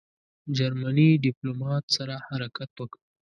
جرمني ډیپلوماټ سره حرکت وکړ.